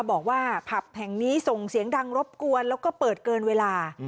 บอกว่าผับแห่งนี้ส่งเสียงดังรบกวนแล้วก็เปิดเกินเวลา